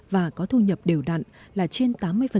và có thu nhập đều đặn là trên tám mươi